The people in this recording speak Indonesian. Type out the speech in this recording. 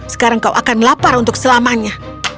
sekarang kau akan lapar untuk selamanya